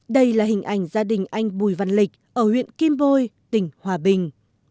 đây là hình ảnh gia đình anh bùi văn lịch ở huyện kim bôi tỉnh hòa bình